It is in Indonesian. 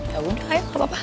ya udah ayo gak apa apa